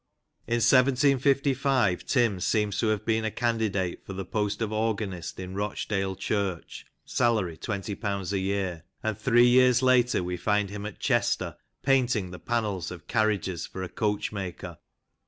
In 1755, Tim seems to have been a candidate for the post of organist in Rochdale Church (salary twenty pounds a year), and three years later we find him at Chester, painting the panels of carriages for a coach maker